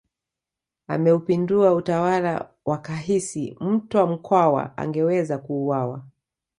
Ameupindua utawala wakahisi Mtwa Mkwawa angeweza kuuawa